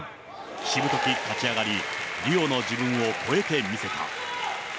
しぶとく勝ち上がり、リオの自分を超えて見せた。